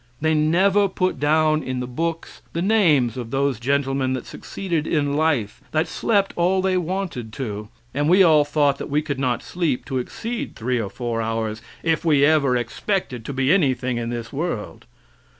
They never put down in the books the names of those gentlemen that succeeded in life that slept all they wanted to; and we all thought that we could not sleep to exceed three or four hours if we ever expected to be anything in this world.